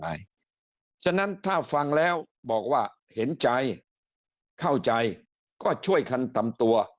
เพราะฉะนั้นถ้าฟังแล้วบอกว่าเห็นใจเข้าใจก็ช่วยคันต่ำตัว